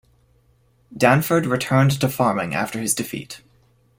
Danford returned to farming after his defeat.